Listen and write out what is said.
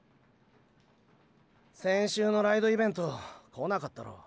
先週のライドイベント来なかったろ。